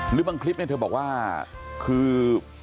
หรือบางคลิปเธอบอกว่าคือ